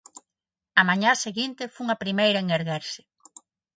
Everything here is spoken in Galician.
Á mañá seguinte fun a primeira en erguerse.